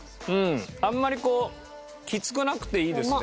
あんまりこうきつくなくていいですね。